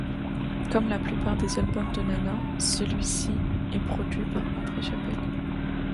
Comme la plupart des albums de Nana, celui-ci est produit par André Chapelle.